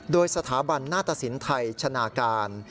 โดยสถาบันนาฏศิลป์ไทยชนะการ